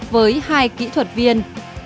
với hai kỹ thuật viên